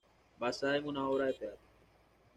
Basada en una obra de teatro.